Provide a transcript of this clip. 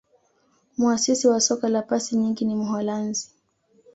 muasisi wa soka la pasi nyingi ni muholanzi